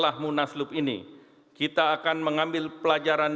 kami berharap bahwa kekuatan politik ini akan menjadi kekuatan yang matang